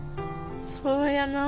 そうやなあ。